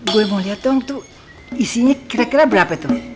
gue mau lihat dong tuh isinya kira kira berapa tuh